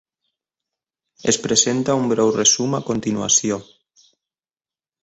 Es presenta un breu resum a continuació.